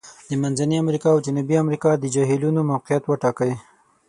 د منځني امریکا او جنوبي امریکا د جهیلونو موقعیت وټاکئ.